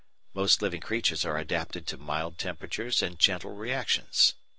Most living creatures are adapted to mild temperatures and gentle reactions.